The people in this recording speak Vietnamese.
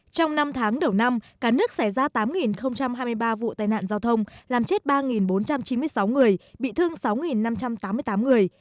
trong năm tháng đầu năm cả nước xảy ra tám hai mươi ba vụ tai nạn giao thông làm chết ba bốn trăm chín mươi sáu người bị thương sáu năm trăm tám mươi tám người